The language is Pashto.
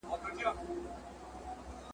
هغه وخت میندي په خپلو ماشومانو بوختي وې.